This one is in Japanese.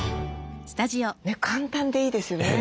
簡単でいいですよね。